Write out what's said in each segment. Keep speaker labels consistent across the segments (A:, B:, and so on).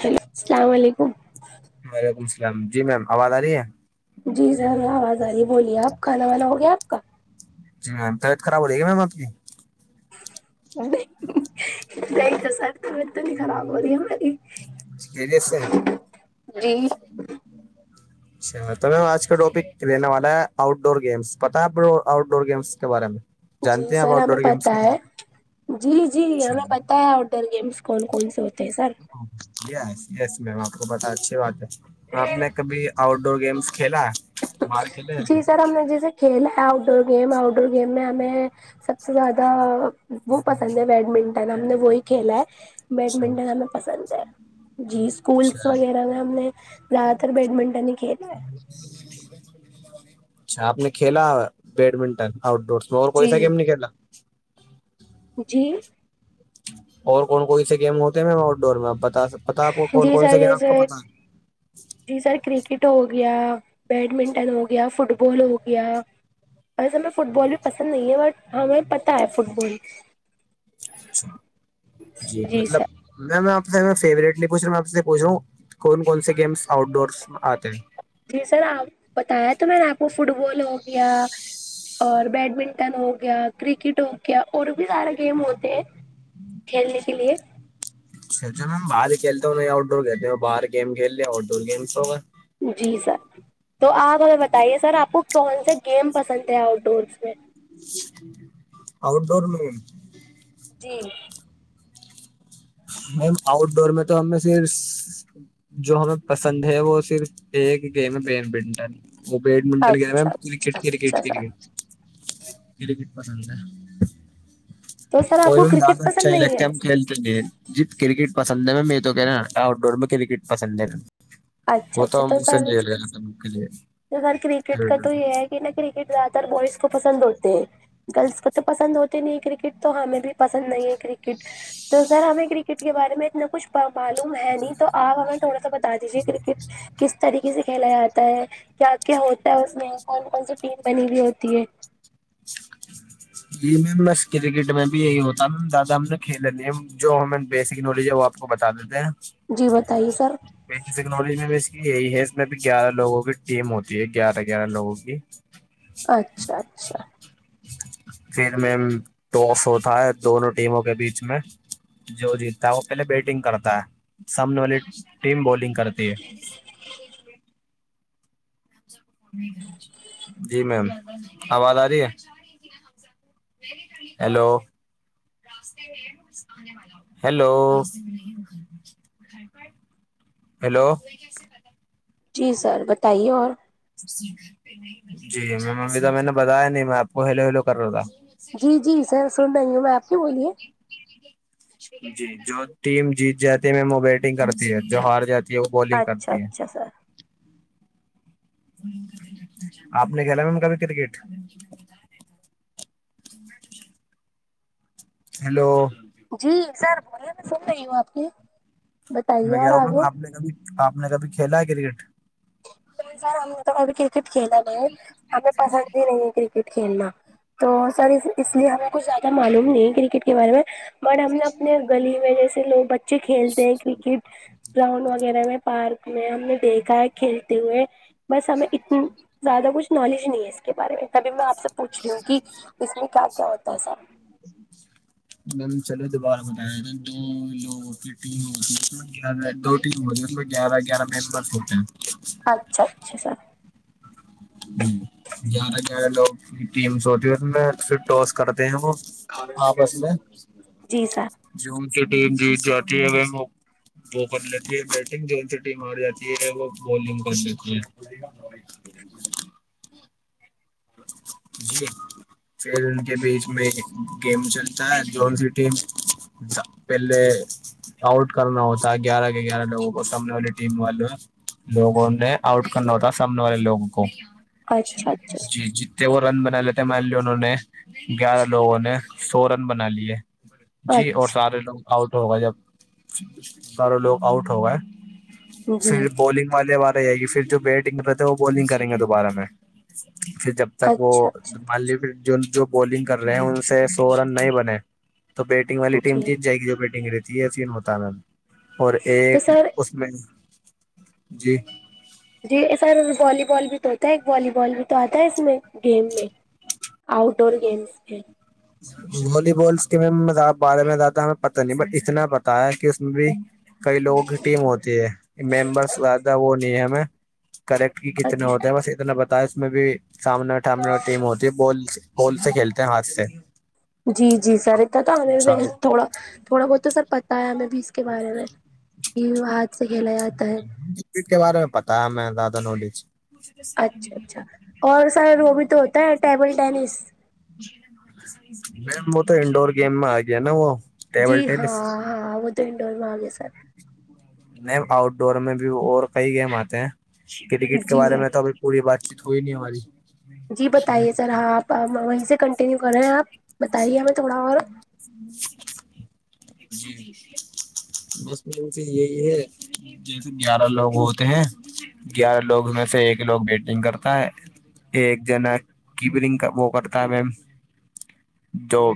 A: hello السلام علیکم
B: وعلیکم السلام جی میم آواز آ رہی ہے
A: جی سر ہم آواز آی بولیے آپ کھانا وانا ہو گیا آپ کا
B: جی میمبیعتراب ج گی میم آ کی
A: نہیں نہیں تو سر طبیعت نہیں خراب ہو رہی ہماری
B: کیریس ہیں
A: جی
B: اچھا تو میں آج کا ٹاپک لینے والا ہے آؤٹ ڈور گیمس پتہ آ آؤٹ ڈور گیمس کے بارے میں
A: جی
B: جانتے ہیں آپ
A: سر
B: آؤٹ ڈور
A: ہمیں
B: گیمس
A: پت
B: کے
A: ہے
B: لیے
A: جی جی
B: اچھا
A: ہمیں پت ہے ادھر گیمس کون کون سے ہوتے ہیں سر
B: یس یس میم آپ کو پتہ ہے اچھی بات ہے آپ نے کبھی آؤٹ ڈور گیمس کھیلا ہے باہر کھیلے ہیں
A: جی سر ہم نے جیسے کھیلا ہے outdoor game outdoor game میں ہمیں سب سے زیادہ وہ پسند ہے بیڈمنٹن ہم نے وہی کھیلا ہے
B: اچھا
A: بیڈمنٹن ہمیں پسند ہے جی اسکولس
B: اچھا
A: وغیرہ میں ہم نے زیادہ تر بیڈمنٹن ہی کھیلا ہے
B: اچھا آپ نے کھیلا ہو بیڈمنٹن آؤٹ ڈور مور
A: جی
B: پیسا کیم نہیں کلا
A: جی
B: اور کون کون سے گیم ہوتے ہیں میم آؤٹ ڈور میں آ بتاتا آپ کون
A: جی
B: کون
A: سر
B: سےا گیم آپ کو
A: جیسے
B: پتا
A: جی سر کرکٹ ہو گیا بیڈمنٹن ہو گیا فٹ بال ہو گیا ویسے ہمیں فٹ بال بھی پسند نہیں ہے بٹ ہمیں پتہ ہے فٹ بال
B: اچھا جی مطلب میں آپ سے فیورٹ نہیں پوچھ رہا میں آپ سے پوچھ رہا ہوں کون کون سے گیمس آؤٹ ڈورس میں آتے ہیں
A: جی سر آپ بتایا تو میں نے آپ کو فٹ بال ہو گیا اور بیڈمنٹن ہو گیا کرکٹ ہو گیا اور بھی سارا گیم ہوتے ہیں کھیلنے کے لیے
B: چل میم باہر کھیلتے ہو نہیں آؤٹ ڈور کھیتے ہو بر گیم کھیل لی آؤٹ ڈور گیمس ہوگا
A: جی سر تو آپ ہمیں بتائیے سر آپ کو کون سے گیم پسند ہیں آؤٹ ڈورس میں
B: آؤٹ ڈور
A: جی
B: میم آؤٹ ڈور میں تو ہمیں صرف جو ہمیں پسند ہے وہ صرف ایک گیم بیڈ منٹن وہ بیڈمنٹن کیا ہے میم
A: اچھا اچھا
B: کرکٹ کرکٹ
A: اچھا سر
B: کرکٹ کرکٹ پسند ہے
A: تو سر آپ
B: کوئی
A: کو
B: بھی
A: کرکٹ
B: دادا
A: پسند
B: چاہی ل
A: نہیں
B: [unintelligible]
A: ہے
B: کیم کلتے گے جی کرکٹ پسند ہے میں میں یہ تو کہ رہا آؤٹ ڈور میں کرکٹ پسند ہے
A: اچھا
B: وہ تو منہ سے نکل گیا [unintelligible] کے لیئے
A: ار کرکٹ کا تو یہ ہے کہ نا کرکٹ زیادہ تر بوائز کو پسند ہوتے ہیں گرلس کو تو پسند ہوتے نہیں کرکٹ تو ہمیں بھی پسند نہیں ہے کرکٹ تو سر ہمیں کرکٹ کے بارے میں اتنا کچھ معلوم ہے نہیں تو آپ ہمیں تھوڑا سا بتا دیجیے کرکٹ کس طریقے سے کھیلا جاتا ہے کیا کیا ہوتا ہے اس میں کون کون سی ٹیم بنی ہوئی ہوتی ہے
B: جی میم بس کرکٹ میں بھی یہی ہوتا میم زیادہ ہم نے کھیل جو ہم بیسک نالج ہے وہ آپ کو بتا دیتے ہیں
A: جی بتائیے سر
B: ٹیکنالوجی میں بھی اس کی یہی ہے اس میں بھی گیارہ لوگوں کی ٹیم ہوتی ہے گیارہ گیارہ لوگوں کی
A: اچھا اچھا
B: پھر مم ٹاس ہوتا ہے دونوں ٹیموں کے بیچ میں جو جیتتا ہے وہ پہلے بیٹنگ کرتا ہے سامنے والی ٹیم بالنگ کرتی ہے
A: [unintelligible]
B: جی میم آواز آ رہی ہے ہیلو ہیلو ہیلو
A: جی سر بتائیے اور
B: جی میں ممی تو میں نے بتایا نہیں میں آپ کو ہلو ہلو کر رہا تھا
A: جی جی سر سن رہی ہوں میں آپ کی بولیے
B: جی جو ٹیم جیت جاتی ہے مام وہ بیٹنگ کرتی ہے جو ہار جاتی وہ بالنگ
A: اچھا
B: کرتی ہے
A: اچھا سر
B: آپ نے کھیلا مام کبھی کرکٹ [inaudible] ہیلو
A: جی سر بولیے میں سن رہی ہوں آپ کے
B: میں
A: بتائیے
B: کہہ
A: اور
B: رہا ہوں میم
A: آگے
B: آپ نے کبھی آپ نے کبھی کھیلا ہے کرکٹ
A: نہیں سر ہملب ابھی کرکٹ کھیلا گ ہمیں پسند ہی نہیں ہے کرکٹ کھیلنا تو سر اس لیے ہمیں کچھ زیادہ معلوم نہیں کرکٹ کے بارے میں اور ہم نے اپنے گلی میں جیسے لوگ بچے کھیلتے ہیں کرکٹ گراؤنڈ وغیرہ میں پارک میں ہم نے دیکھا ہے کھیل ہوئے بس ہمیں اتنی زیادہ کچھ نالج نہیں ہے اس کے بارے میں تبھی میں آپ سے پوچھ رہی ہوں کہ اس میں کیا کیا ہوتا ہے سر
B: میں نے چلو دوبارہ بتایا دولت گیارہ گیارہ ممبرس ہوتے ہیں
A: اچھا اچھا سر
B: گدہ گیارہ لوگ کی ٹیمس ہوتی ہے میں پھر ٹاس کرتے ہیں وہ آپس میں
A: جی سر
B: جون کی جیت جاتی ہے وہ وہ کر لیتی ہے بیٹنگ جو ان سے ٹیم آار جاتی ہے وہ بالنگ کر لیتی ہے جی نمی جی پھر ان کے بیچ میں گیم چلتا ہے جون سٹی پہلے آؤٹ کرنا ہوتا ہے گیارہ کے گیارہ لوگوں کو سامنے والی ٹیم والے لوگوں نے آؤٹ کرنا ہوتا سامنے والے لوگوں کو
A: اچھا اچھا
B: جتے وہ رن بنالتے مار لی انوں نے گیارہ لوگوں نے سو رن بنا لیے جی اور
A: اچھا
B: سارے لوگ آؤٹ ہو گئے جب ساروں لوگ آؤٹ ہو گئے
A: جی
B: پھر بالنگ والے والار جائے گی پھر جو بیٹنگ رہتے ہے وہ بالنگ کریں گے دوبارہ میں پھر جب تک وہ
A: اچھا اچھا
B: مان لیے جو بالنگ کر رہے ہیں ان سے سو رن نہیں بنے تو بیٹ بیگ والی ٹیم
A: جی
B: جیت جائے گی جو بیٹنگ رہتی ہے پھر متع اور
A: تو
B: ایک
A: سر
B: نہیں جی
A: جی سر والی بال بھی تو ہوتا ہے ایک والی بال بھی تو آتا ہے اس میں گیم میں آؤٹ ڈور گیمس بھی
B: والی بال کے بارے میں زیادہ ہمیں پتہ نہیں بٹ اتنا پتاہ ہے کہ اس میں بھی کئی لوگوں کی ٹیم ہوتی ہے ممبرس زیادہ وہ نہیں ہے ہمیں کریکٹ کی کتنے
A: اچھا
B: ہوتے ہیں بس اتنا بتایا اس میں بھی سامنے ٹیم ہوتی ہے بال بال سے کھیلتے ہیں ہاتھ سے
A: جی جی سر ات تو ہمیں و تھوڑا تھوڑا بہت تو سر پتاہ ہے ہمیں بھی اس کے بارے میں کہ ہاتھ سے کھیلا جاتا ہے
B: کرکٹ کے بارے میں پتاہ ہے میں زیاادہ نالج
A: اچھا اچھا اور سر وہ بھی تو ہوتا ہے ٹیبل ٹینس
B: مم وہ تو انڈور گیم میں آ گیا نا وہ
A: جی
B: ٹیبل ٹینس
A: ہاں ہاں وہ تو انڈور میں آ گیا سر
B: نہیں آؤٹ ڈور میں بھی اور کئی گیم آتے ہیں کرکٹ کے
A: جی
B: بارے میں تو ابھی پوری بات چیت ہوئی نہیں ہماری
A: جی بتائیے سر آپ وہیں سے کنٹینیو کر رہے ہیں آپ
B: [inaudible]
A: بتائیے ہمیں تھوڑا اور
B: بس سے یہی ہے جیسے گیارہ لوگ ہوتے ہیں گیارہ لوگ میں سے ایک لوگ بیٹنگ کرتا ہے ایک جنا کیبرنگ وہ کرتا ہے میم جو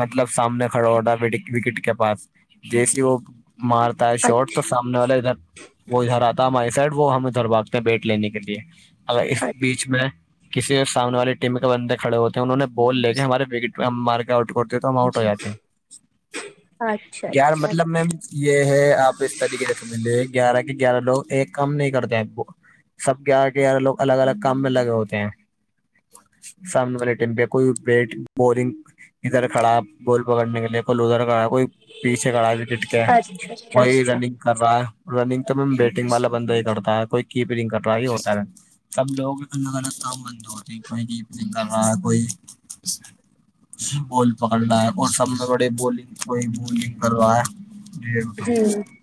B: مطلب سامنے کھڑا ہوتا وکٹ کے پاس جیسے وہ مارتا ہے شارٹ تو
A: اچھا
B: ہمنے والا ادھر وہ ادھر آتا ہے ہماری سائڈ وہ ہم ادھر بھگتے ہیں بیٹ لینے کے لیے اگر اس بیچ میں کسی سامنے والی ٹیم کے بندے کھڑے ہوتے ہیں انہوں نے بول لے کے ہمارے وکٹ ہم مار کے آؤٹ کرتے ہیں تو ہم آؤٹ ہو جاتے ہیں
A: اچھا
B: گیار
A: اچھا
B: مطلب میں
A: اچھا
B: یہ ہے آپ اس طریقے سے سمجھ ل گیارہ کے گیارہ لوگ ایک کام نہیں کرتے آپ کو سب گیارہ گیارہ لوگ الگ الگ کام میں لگے ہوتے ہیں سامنے والے ٹیم پہ کوئی پٹ بورنگ ادھر کھڑا گول پکڑنے کے لیے کو لوزر کھڑا کوئی پیچھے کڑا د ٹٹ کے
A: اچھا اچھا
B: کوئی
A: اچھا
B: رنگ کر رہا ہے رننگ تو م بیٹنگ والا بندہ ہی کرتا ہے کوئی کیپرنگ کر رہا ہے کہ ہوتا ہے تب لوگ الگ الگ کام بند ہوتے ہیں کوئی جیپ نکل رہا ہے کوئی بال پکال رہا ہے اور سب بڑے بالنگ کوئی بولنگ کروا ہے جی بتائیں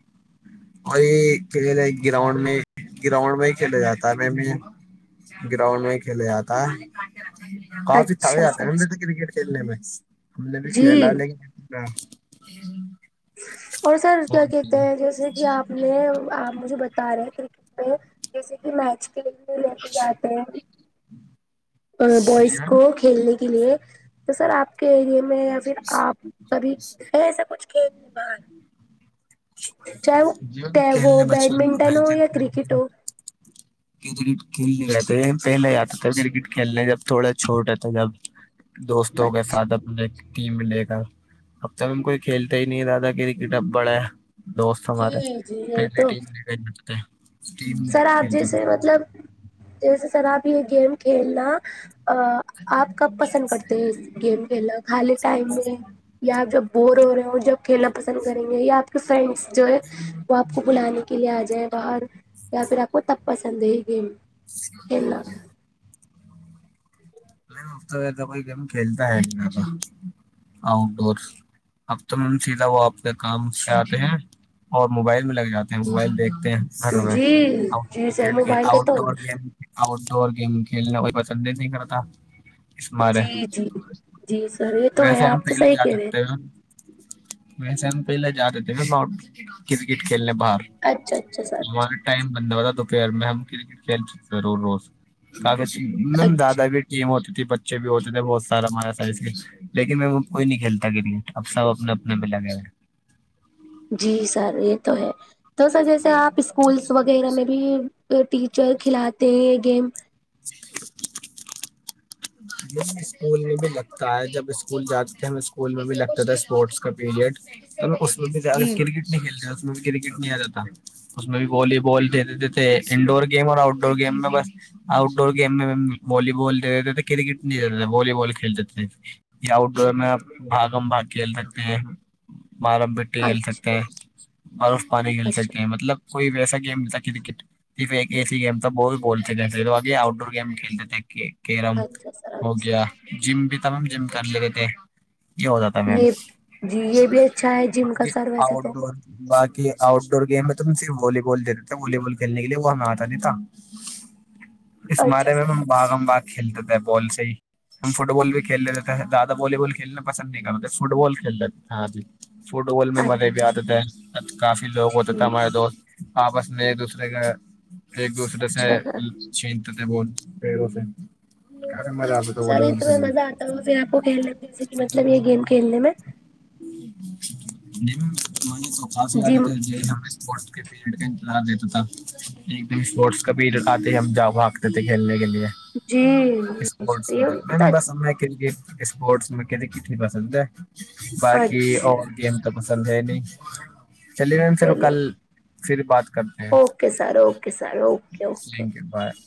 B: اوری کھیل ل گراؤنڈ میں گراؤنڈ میں کھیلا جاتا ہے میں گراؤنڈ میں کھیلا جاتا ہے کافی تھاے
A: اچھا
B: آتے
A: سر
B: ن کرکٹ کھیلنے میں ہم نے بھی
A: جی
B: کھیلا لیکن ہوں
A: اور سر کیا کہتے ہیں جیسے کہ آپ آپ مجھے بتا رہے ہیں کرکٹ میں جیسے کہ میچ کے لیے لے کے
B: اچھی
A: جاتے ہیں بوائز کو کھیلنے کے لیے تو سر آپ کے ایری میں یا پھر آپ کبھی ہے ایسا کچھ کھیلنے باہر چاہے
B: جیون
A: وہ و ہو
B: کھیلنے بچپن میں
A: بیڈمنٹن
B: گئے
A: ہو یا
B: تھے
A: کرکٹ ہو
B: کرکٹ کھیلنے رہ تھ پہلے ہی آتا تھا کرکٹ کھیلنے جب تھوڑا چھوٹ تھا جب دوستوں کے
A: اچھا
B: ساتھ اپ ٹیم انڈیا کا اب تک کوئی کھیلتا ہی نہیں رہ تھا کرکٹب بڑا دوست ہمارے
A: جی جی یہی
B: پہلی
A: تو
B: ٹیمٹتے
A: سر آپ جیسے مطلب جیسے سر آپ یہ گیم کھیلنا آپ کب پسند کرتے ہیں اس گیم کھیلنا خالی ٹائم میں یا جب بور ہو رہے ہیں اور جب کھیلنا پسند کریں گے یا آپ کے فرینڈس جو ہے وہ آپ کو بلانے کے لیے آ جائیں باہر یا پھر آپ کو تب پسند ہے گیم کھیلنا
B: [unintelligible] نہیں اب تو ایسا کوئی گیم کھیلتا ہےا آؤٹ ڈور اب تو مم سیدھا وہ اپنے کام سے آتے ہیں اور موبائل میں لگ جاتے ہیں موبائل دیکھ گھر میں
A: جی
B: آ
A: جی سر
B: کھیل کے
A: موبائل کا
B: آؤٹ
A: تو
B: door game outdoor game کھیلنا کوئی پسند ہی نہیں کرتا اسار
A: جی جی جی سر یہ تو ہے
B: ویسے ہم
A: آپ تو
B: پہلے
A: صحیح
B: جا
A: کہہ رہے
B: سکتے ہیں ویسے ہم پہلے جا رہے تھے ب کرکٹ کھیلنے باہر
A: ہیں اچھا اچھا سر
B: ہمارے ٹائم بند ہوتا تو پہار میں ہم کرکٹ کھیل چکتے تھے ر روزفی
A: اچھا
B: دادا بھی یم ہوتی تھی بچے بھی ہوتے تھے بہت سارا ہمارا سائز کے لیکن میں وہ کوئی نہیں کھیلتا کرکٹ اب سب اپنے اپنے پہ لگے ہیں
A: جی سر یہ تو ہے تو سر جیسے آپ اسکولس وغیرہ میں بھی ٹیچر کھلاتے ہیں یہ گیم
B: [unintelligible] ج اسکول میں بھی لگتا ہے جب اسکول جاتے تھے ہمیں اسکول میں بھی لگتا تھا اسپورٹس کا پیریڈ اس بھی
A: جی
B: کرکٹ نہیں کھیلتے ہیں اس میں ککٹ نہیں آ جاتا اس میں بھی والی بال د دیتے تھے انڈور گیم اور آؤٹ ڈور گیم میں بس آؤٹ ڈور گیم میںی بال دے دیتے تھے کرکٹ نہیں تھ والی بال کھیلتے تھے یہ آؤٹ ڈور ن بام باگ کل سکتے ہیں بارم بی ک کھیل سکتے
A: اچھا
B: ہیں برف پانی کھیل
A: اچھا
B: سکتے ہیں مطلب کوئی بھی ایسا گیم ہوتا کرکٹ صرف ایک ای سسی گیم تو وہ بھی بولتے جے تو آگے آؤٹ ڈور گیم کھیلتے تھے ایک
A: اچھا سر اچھا
B: یا جم بھی تمام جم کر لگئے تھے یہ ہو جات تھا میم
A: یہ جی یہ بھی اچھا ہے جم کا سر ویسے
B: آٹ
A: تو
B: ڈ باقی آؤٹ ڈور گیم میں تم صرف والی بال دیتے تھ والی بال کھیلنے کے لیے وہ ہمیں آتا نہیں تھا اس
A: اچھا
B: مارے میں
A: سر
B: باغ ہم باغ کھیلتے تھے بال سے ہی ہم فٹ بال بھی کھیل لیتے تھ ہیں زیادہ والی بال کھیلنا پسند نہیں کرتے فٹ بال کھیل دیتے ہاں جی فٹ بال میں
A: اچھا
B: مزے بھی آتے تھے کافی لوگ ہوتا
A: اچھا
B: تھے ہمارے دوست آپس میں ایک دوسرے کے ایک دوسرے سے
A: سر
B: چتا بول پیرو سے کافی مزہ آتا تھا
A: اچھا
B: والی
A: یہ
B: بال
A: تو میں
B: کھیلنے
A: مزہ آتا ہوں پھر آپ کو کھیل مز مطلب یہ گیم کھیلنے میں
B: نہیں تو کافی عادت
A: جم
B: ہے کا انتظار دیتا تھا ایک دم اسپورٹس کا بھی راتتے ہم جاگ بھاگتے تھے کھیلنے کے لیے
A: جی
B: اسپٹس
A: یہ
B: م بس
A: اچھا
B: کرکٹ اسپورٹس میں ک کھ نہیں کرا سکتا باقی آ گیم تو پسند ہے ہی نہیں چلیے میم پھر کل پھر بات کر
A: okay sir okay sir okay okay
B: لیں گے بائے